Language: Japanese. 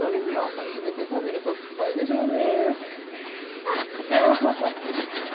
初めて食べると酸っぱいでしょうね。